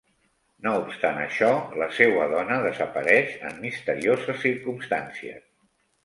No obstant això, la seua dona desapareix en misterioses circumstàncies.